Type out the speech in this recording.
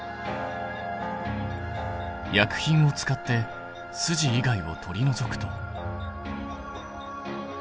薬品を使って筋以外を取り除くと。